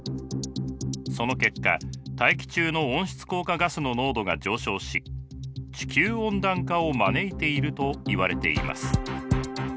その結果大気中の温室効果ガスの濃度が上昇し地球温暖化を招いているといわれています。